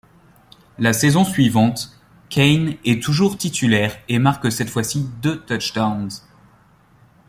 La saison suivante, Cain est toujours titulaire et marque cette fois-ci deux touchdowns.